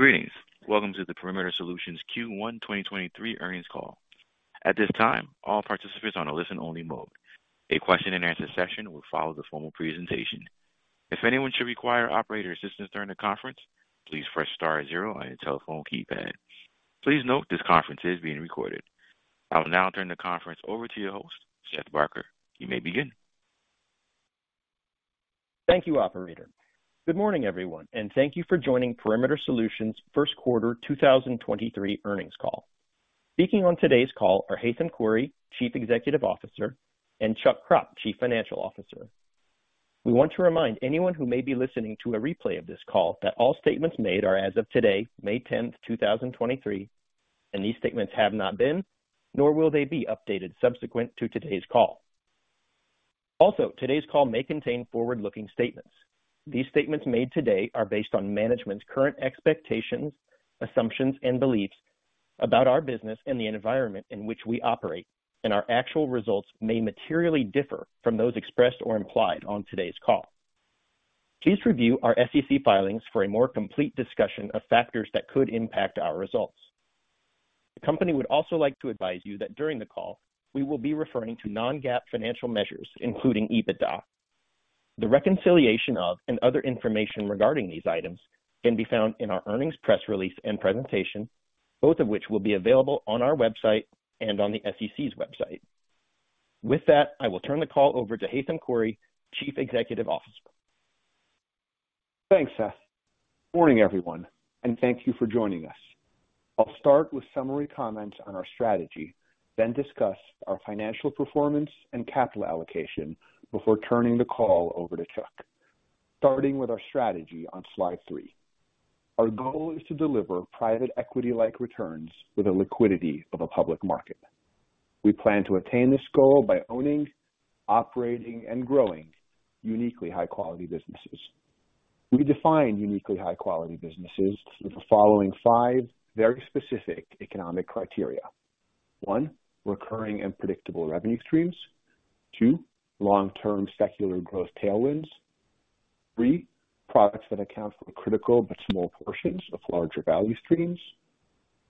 Greetings. Welcome to the Perimeter Solutions Q1 2023 earnings call. At this time, all participants are on a listen only mode. A question and answer session will follow the formal presentation. If anyone should require operator assistance during the conference, please press star zero on your telephone keypad. Please note this conference is being recorded. I will now turn the conference over to your host, Seth Barker. You may begin. Thank you, operator. Good morning, everyone, and thank you for joining Perimeter Solutions first quarter 2023 earnings call. Speaking on today's call are Haitham Khouri, Chief Executive Officer, and Charles Kropp, Chief Financial Officer. We want to remind anyone who may be listening to a replay of this call that all statements made are as of today, May 10, 2023, and these statements have not been nor will they be updated subsequent to today's call. Today's call may contain forward-looking statements. These statements made today are based on management's current expectations, assumptions, and beliefs about our business and the environment in which we operate. Our actual results may materially differ from those expressed or implied on today's call. Please review our SEC filings for a more complete discussion of factors that could impact our results. The company would also like to advise you that during the call we will be referring to non-GAAP financial measures, including EBITDA. The reconciliation of and other information regarding these items can be found in our earnings press release and presentation, both of which will be available on our website and on the SEC's website. I will turn the call over to Haitham Khouri, Chief Executive Officer. Thanks, Seth. Morning, everyone, thank you for joining us. I'll start with summary comments on our strategy, then discuss our financial performance and capital allocation before turning the call over to Charles. Starting with our strategy on slide three. Our goal is to deliver private equity-like returns with the liquidity of a public market. We plan to attain this goal by owning, operating, and growing uniquely high quality businesses. We define uniquely high quality businesses with the following five very specific economic criteria. One, recurring and predictable revenue streams. Two, long term secular growth tailwinds. Three, products that account for critical but small portions of larger value streams.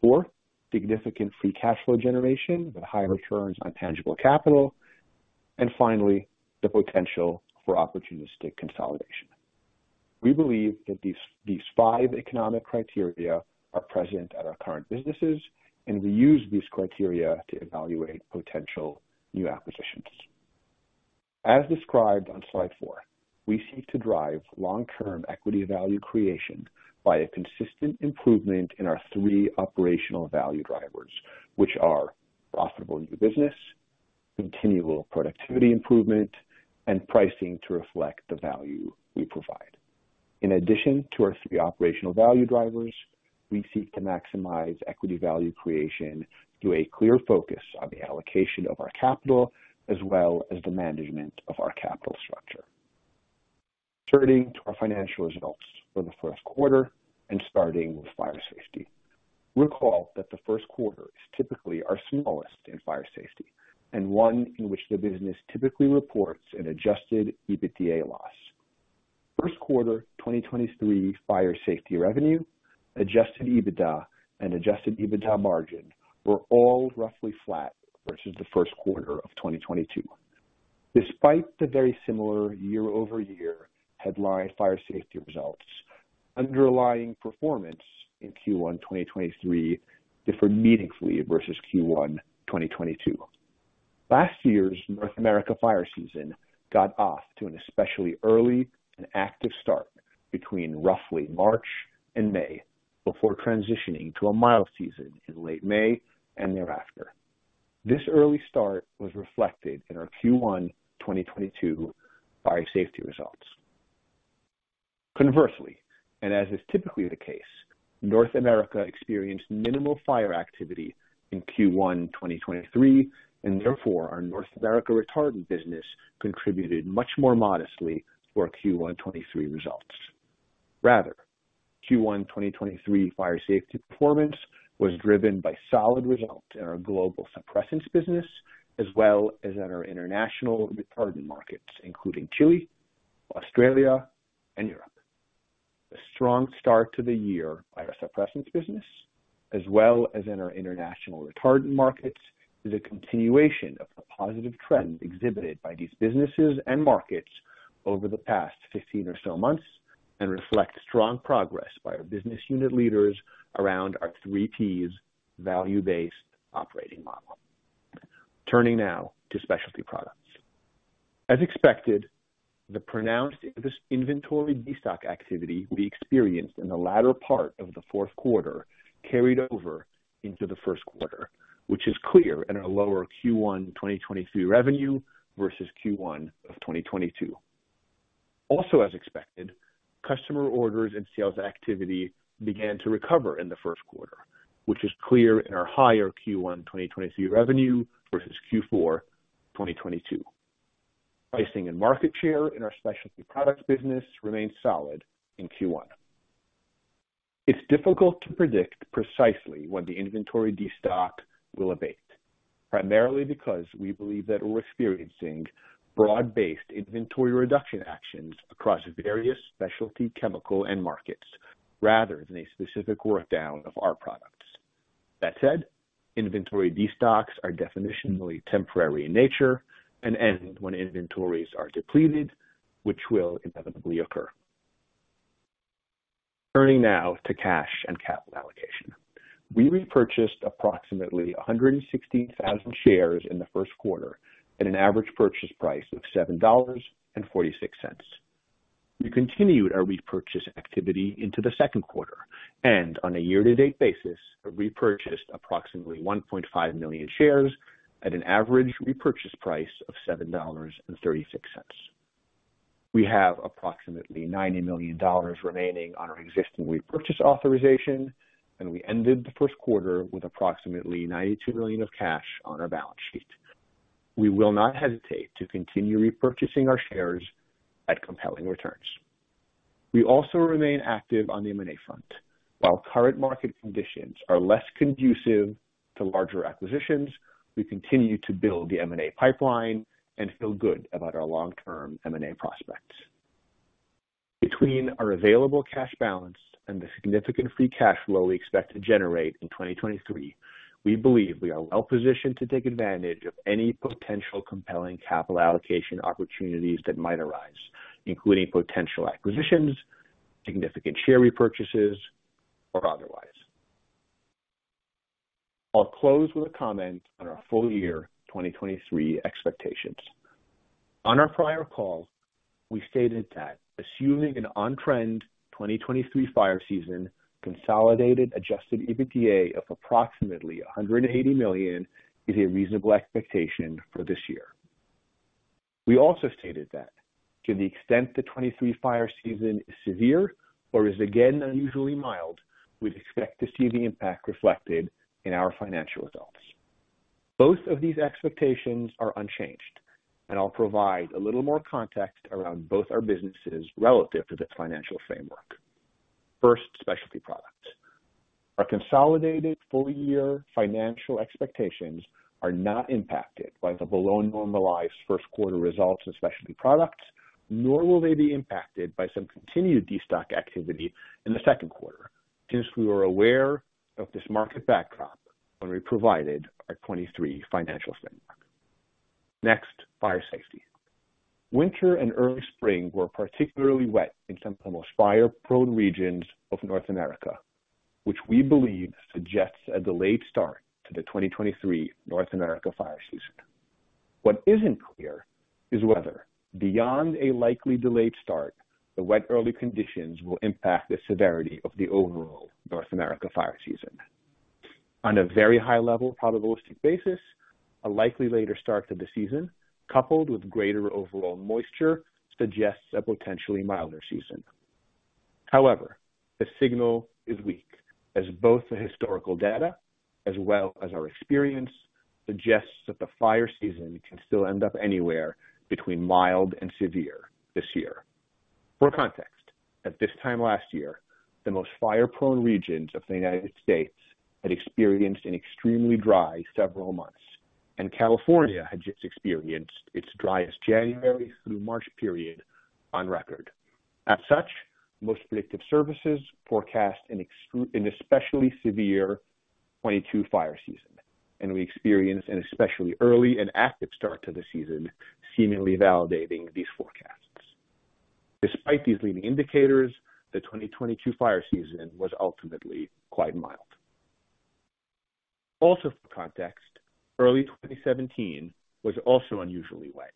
Four, significant free cash flow generation with high returns on tangible capital. Finally, the potential for opportunistic consolidation. We believe that these five economic criteria are present at our current businesses and we use these criteria to evaluate potential new acquisitions. As described on slide four, we seek to drive long term equity value creation by a consistent improvement in our three operational value drivers, which are profitable new business, continual productivity improvement, and pricing to reflect the value we provide. In addition to our three operational value drivers, we seek to maximize equity value creation through a clear focus on the allocation of our capital as well as the management of our capital structure. Turning to our financial results for the first quarter and starting with Fire Safety. Recall that the first quarter is typically our smallest in Fire Safety and one in which the business typically reports an Adjusted EBITDA loss. First quarter 2023 Fire Safety revenue, Adjusted EBITDA and Adjusted EBITDA margin were all roughly flat versus the first quarter of 2022. Despite the very similar year-over-year headline Fire Safety results, underlying performance in Q1 2023 differed meaningfully versus Q1 2022. Last year's North America fire season got off to an especially early and active start between roughly March and May before transitioning to a mild season in late May and thereafter. This early start was reflected in our Q1 2022 Fire Safety results. Conversely, and as is typically the case, North America experienced minimal fire activity in Q1 2023, and therefore our North America retardant business contributed much more modestly to our Q1 23 results. Rather, Q1 2023 Fire Safety performance was driven by solid results in our global suppressants business as well as in our international retardant markets, including Chile, Australia, and Europe. A strong start to the year by our suppressants business as well as in our international retardant markets is a continuation of the positive trends exhibited by these businesses and markets over the past 15 or so months, and reflect strong progress by our business unit leaders around our 3P's value based operating model. Turning now to Specialty Products. As expected, the pronounced inventory destock activity we experienced in the latter part of the fourth quarter carried over into the first quarter, which is clear in our lower Q1 2023 revenue versus Q1 of 2022. As expected, customer orders and sales activity began to recover in the first quarter, which is clear in our higher Q1 2023 revenue versus Q4 2022. Pricing and market share in our Specialty Products business remained solid in Q1. It's difficult to predict precisely when the inventory destock will abate. Primarily because we believe that we're experiencing broad-based inventory reduction actions across various specialty chemical end markets rather than a specific work down of our products. That said, inventory destocks are definitionally temporary in nature and end when inventories are depleted, which will inevitably occur. Turning now to cash and capital allocation. We repurchased approximately 116,000 shares in the first quarter at an average purchase price of $7.46. We continued our repurchase activity into the second quarter. On a year-to-date basis, repurchased approximately 1.5 million shares at an average repurchase price of $7.36. We have approximately $90 million remaining on our existing repurchase authorization. We ended the first quarter with approximately $92 million of cash on our balance sheet. We will not hesitate to continue repurchasing our shares at compelling returns. We also remain active on the M&A front. While current market conditions are less conducive to larger acquisitions, we continue to build the M&A pipeline and feel good about our long-term M&A prospects. Between our available cash balance and the significant free cash flow we expect to generate in 2023, we believe we are well positioned to take advantage of any potential compelling capital allocation opportunities that might arise, including potential acquisitions, significant share repurchases, or otherwise. I'll close with a comment on our full year 2023 expectations. On our prior call, we stated that assuming an on-trend 2023 fire season, consolidated Adjusted EBITDA of approximately $180 million is a reasonable expectation for this year. We also stated that to the extent the 2023 fire season is severe or is again unusually mild, we'd expect to see the impact reflected in our financial results. Both of these expectations are unchanged, and I'll provide a little more context around both our businesses relative to this financial framework. First, Specialty Products. Our consolidated full-year financial expectations are not impacted by the below normalized first quarter results of Specialty Products, nor will they be impacted by some continued destock activity in the second quarter since we were aware of this market backdrop when we provided our 2023 financial framework. Next, Fire Safety. Winter and early spring were particularly wet in some of the most fire-prone regions of North America, which we believe suggests a delayed start to the 2023 North America fire season. What isn't clear is whether, beyond a likely delayed start, the wet early conditions will impact the severity of the overall North America fire season. On a very high level probabilistic basis, a likely later start to the season, coupled with greater overall moisture, suggests a potentially milder season. However, the signal is weak as both the historical data as well as our experience suggests that the fire season can still end up anywhere between mild and severe this year. For context, at this time last year, the most fire-prone regions of the United States had experienced an extremely dry several months, and California had just experienced its driest January through March period on record. As such, most predictive services forecast an especially severe 22 fire season. We experienced an especially early and active start to the season, seemingly validating these forecasts. Despite these leading indicators, the 2022 fire season was ultimately quite mild. For context, early 2017 was also unusually wet.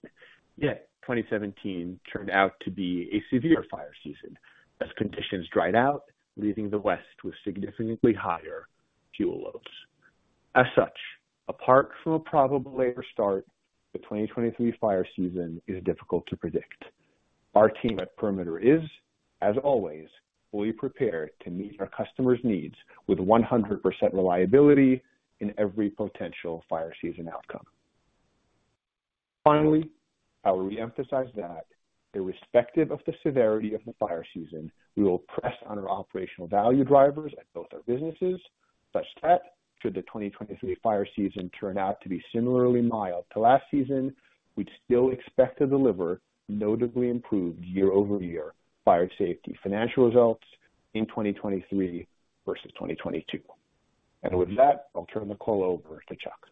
2017 turned out to be a severe fire season as conditions dried out, leaving the West with significantly higher fuel loads. As such, apart from a probable later start, the 2023 fire season is difficult to predict. Our team at Perimeter is, as always, fully prepared to meet our customers' needs with 100% reliability in every potential fire season outcome. Finally, I will reemphasize that irrespective of the severity of the fire season, we will press on our operational value drivers at both our businesses such that should the 2023 fire season turn out to be similarly mild to last season, we'd still expect to deliver notably improved year-over-year Fire Safety financial results in 2023 versus 2022. With that, I'll turn the call over to Chuck.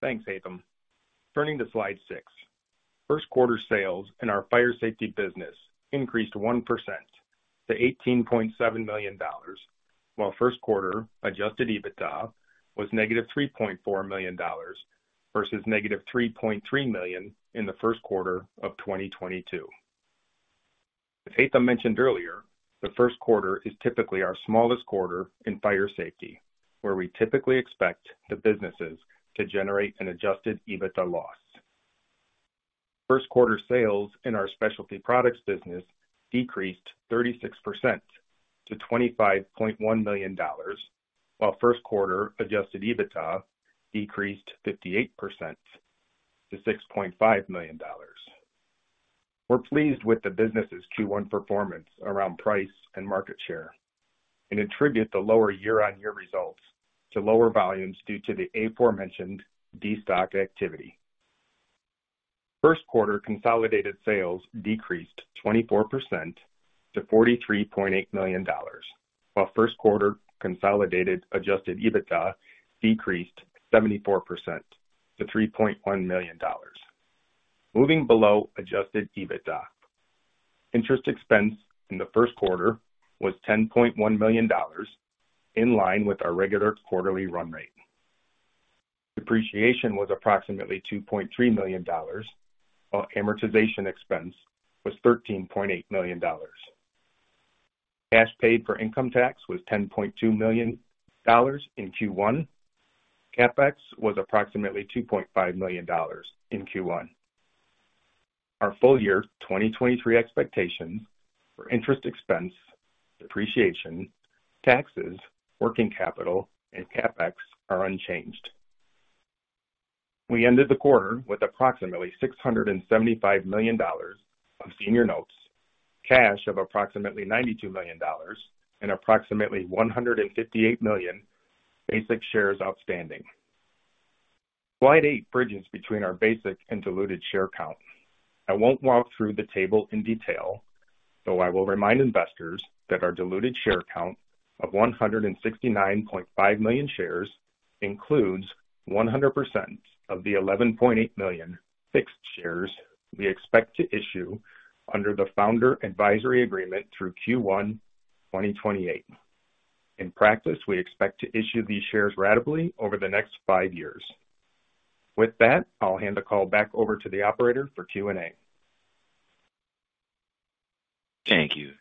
Thanks, Haitham. Turning to slide six. First quarter sales in our Fire Safety business increased 1% to $18.7 million, while first quarter Adjusted EBITDA was negative $3.4 million versus negative $3.3 million in the first quarter of 2022. As Haitham mentioned earlier, the first quarter is typically our smallest quarter in Fire Safety, where we typically expect the businesses to generate an Adjusted EBITDA loss. First quarter sales in our Specialty Products business decreased 36% to $25.1 million, while first quarter Adjusted EBITDA decreased 58% to $6.5 million. We're pleased with the business' Q1 performance around price and market share and attribute the lower year-on-year results to lower volumes due to the aforementioned destock activity. First quarter consolidated sales decreased 24% to $43.8 million, while first quarter consolidated Adjusted EBITDA decreased 74% to $3.1 million. Moving below Adjusted EBITDA. Interest expense in the first quarter was $10.1 million, in line with our regular quarterly run rate. Depreciation was approximately $2.3 million, while amortization expense was $13.8 million. Cash paid for income tax was $10.2 million in Q1. CapEx was approximately $2.5 million in Q1. Our full year 2023 expectations for interest expense, depreciation, taxes, working capital, and CapEx are unchanged. We ended the quarter with approximately $675 million of senior notes, cash of approximately $92 million and approximately 158 million basic shares outstanding. Slide eight bridges between our basic and diluted share count. I won't walk through the table in detail, though I will remind investors that our diluted share count of 169.5 million shares includes 100% of the 11.8 million fixed shares we expect to issue under the Founder Advisory Agreement through Q1 2028. In practice, we expect to issue these shares ratably over the next five years. With that, I'll hand the call back over to the operator for Q&A. Thank you.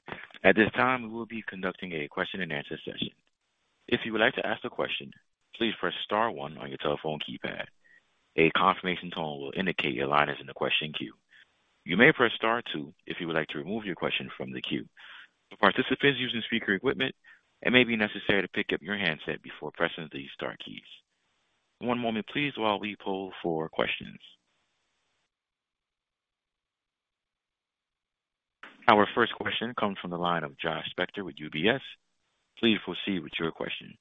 At this time, we will be conducting a question-and-answer session. If you would like to ask a question, please press star one on your telephone keypad. A confirmation tone will indicate your line is in the question queue. You may press star two if you would like to remove your question from the queue. For participants using speaker equipment, it may be necessary to pick up your handset before pressing the star keys. One moment please while we poll for questions. Our first question comes from the line of Josh Spector with UBS. Please proceed with your question.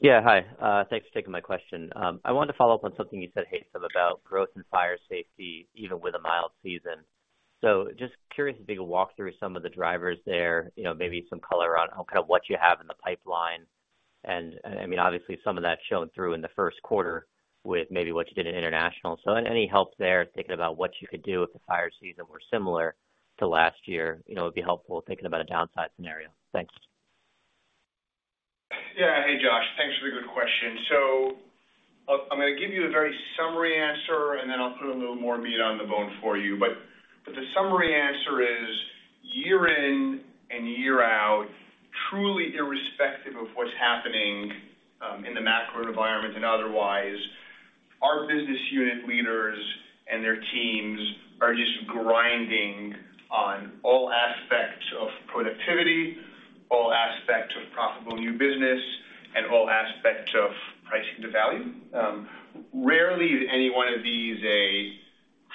Yeah, hi. Thanks for taking my question. I wanted to follow up on something you said, Haitham, about growth and Fire Safety, even with a mild season. Just curious if you could walk through some of the drivers there, you know, maybe some color on kind of what you have in the pipeline. I mean, obviously some of that's shown through in the first quarter with maybe what you did in international. Any help there thinking about what you could do if the fire season were similar to last year, you know, would be helpful thinking about a downside scenario. Thanks. Yeah. Hey, Josh. Thanks for the good question. I'm gonna give you a very summary answer, and then I'll put a little more meat on the bone for you. The summary answer is year in and year out, truly irrespective of what's happening in the macro environment and otherwise, our business unit leaders and their teams are just grinding on all aspects of productivity, all aspects of profitable new business and all aspects of pricing to value. Rarely is any one of these a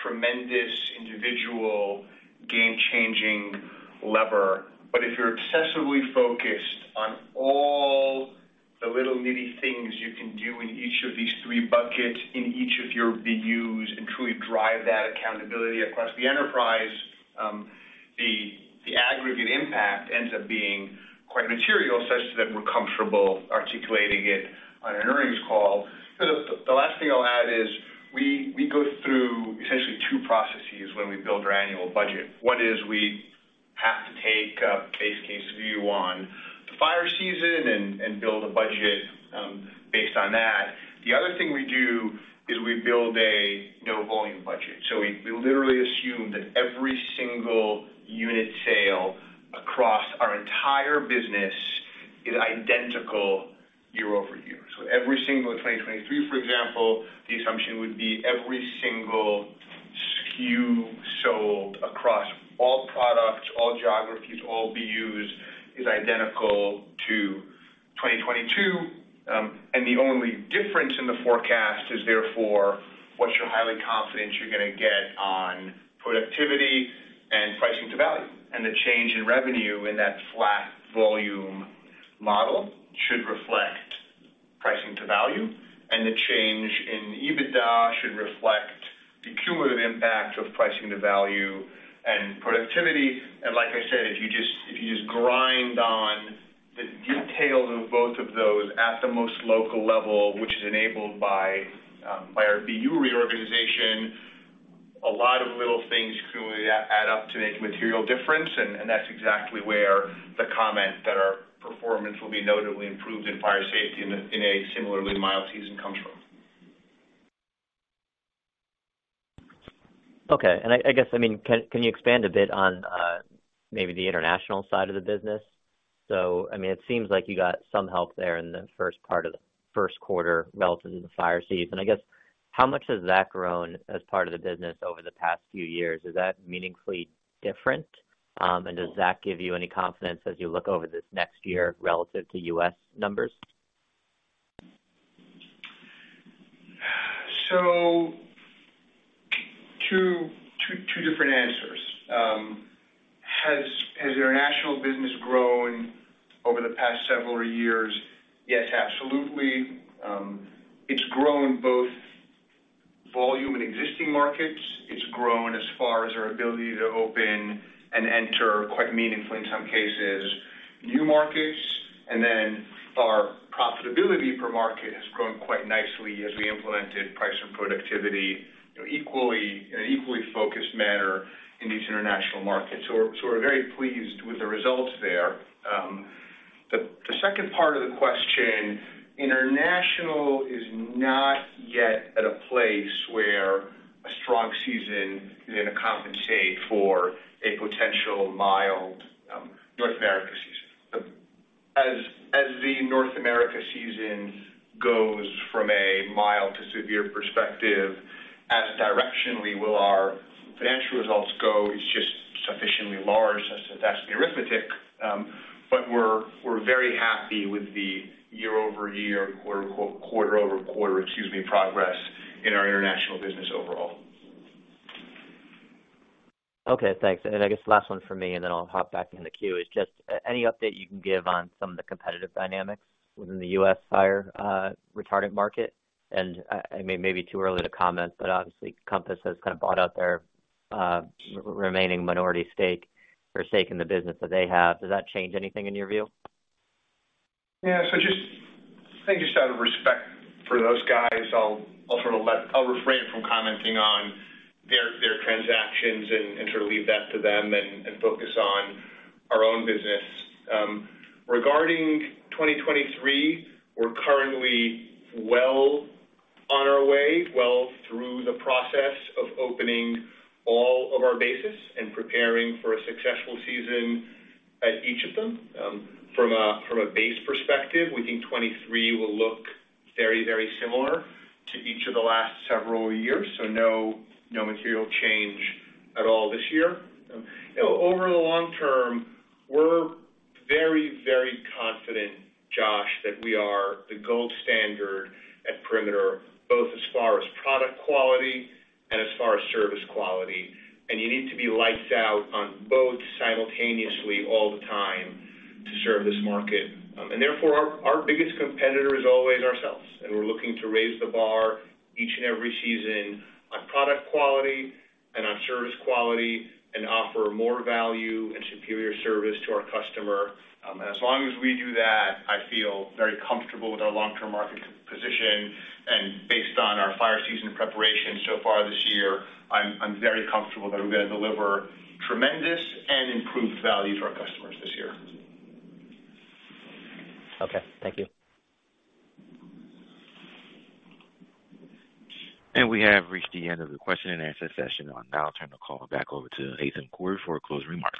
tremendous individual game-changing lever. If you're obsessively focused on all the little nitty things you can do in each of these three buckets in each of your BUs and truly drive that accountability across the enterprise, the aggregate impact ends up being quite material, such that we're comfortable articulating it on an earnings call. The last thing I'll add is we go through essentially two processes when we build our annual budget. One is we have to take a base case view on the fire season and build a budget based on that. The other thing we do is we build a no volume budget. We literally assume that every single unit sale across our entire business is identical year over year. Every single 2023, for example, the assumption would be every single SKU sold across all products, all geographies, all BUs, is identical to 2022. The only difference in the forecast is therefore what you're highly confident you're gonna get on productivity and pricing to value. The change in revenue in that flat volume model should reflect pricing to value, and the change in EBITDA should reflect the cumulative impact of pricing to value and productivity. Like I said, if you just grind on the details of both of those at the most local level, which is enabled by our BU reorganization, a lot of little things can add up to make a material difference. That's exactly where the comment that our performance will be notably improved in Fire Safety in a similarly mild season comes from. Okay. I guess, I mean, can you expand a bit on maybe the international side of the business? I mean, it seems like you got some help there in the first part of the first quarter relative to the fire season. I guess, how much has that grown as part of the business over the past few years? Is that meaningfully different? Does that give you any confidence as you look over this next year relative to U.S. numbers? Two different answers. Has our international business grown over the past several years? Yes, absolutely. It's grown both volume in existing markets. It's grown as far as our ability to open and enter quite meaningfully, in some cases, new markets. Our profitability per market has grown quite nicely as we implemented price and productivity, you know, equally, in an equally focused manner in these international markets. We're very pleased with the results there. The second part of the question, international is not yet at a place where a strong season is gonna compensate for a potential mild North America season. As the North America season goes from a mild to severe perspective, as directionally will our financial results go, it's just sufficiently large. That's the arithmetic. We're very happy with the year-over-year, quarter-over-quarter, excuse me, progress in our international business overall. Okay, thanks. I guess the last one for me, and then I'll hop back in the queue, is just any update you can give on some of the competitive dynamics within the U.S. fire retardant market. I mean, maybe too early to comment, but obviously Compass has kind of bought out their remaining minority stake or stake in the business that they have. Does that change anything in your view? Just I think just out of respect for those guys, I'll sort of refrain from commenting on their transactions and sort of leave that to them and focus on our own business. Regarding 2023, we're currently well on our way, well through the process of opening all of our bases and preparing for a successful season at each of them. From a base perspective, we think 23 will look very similar to each of the last several years, no material change at all this year. You know, over the long term, we're very confident, Josh, that we are the gold standard at Perimeter, both as far as product quality and as far as service quality. You need to be lights out on both simultaneously all the time to serve this market. Therefore, our biggest competitor is always ourselves, and we're looking to raise the bar each and every season on product quality and on service quality and offer more value and superior service to our customer. As long as we do that, I feel very comfortable with our long-term market position. Based on our fire season preparation so far this year, I'm very comfortable that we're gonna deliver tremendous and improved value to our customers this year. Okay. Thank you. We have reached the end of the question-and-answer session. I'll now turn the call back over to Haitham Khouri for closing remarks.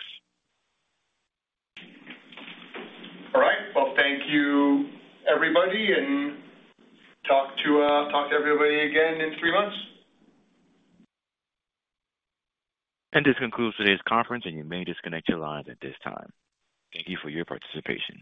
All right. Well, thank you, everybody, and talk to everybody again in 3 months. This concludes today's conference, and you may disconnect your lines at this time. Thank you for your participation.